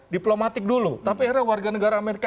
diplomatik dulu tapi akhirnya warga negara amerika